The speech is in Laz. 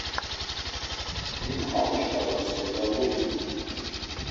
Him hamu şk̆ala sevdaluği u.